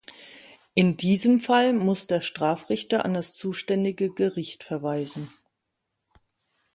In diesem Fall muss der Strafrichter an das zuständige Gericht verweisen.